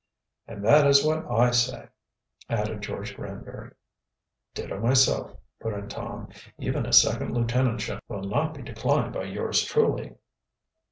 "And that is what I say," added George Granbury. "Ditto, myself," put in Tom. "Even a second lieutenantship will not be declined by yours truly."